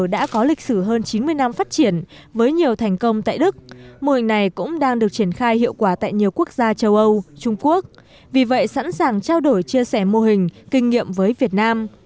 đã có lịch sử hơn chín mươi năm phát triển với nhiều thành công tại đức mô hình này cũng đang được triển khai hiệu quả tại nhiều quốc gia châu âu trung quốc vì vậy sẵn sàng trao đổi chia sẻ mô hình kinh nghiệm với việt nam